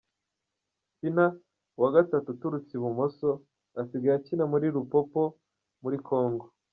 Sina, uwa gatatu uturutse ibumoso, asigaye akina muri Lupopo muri Congo.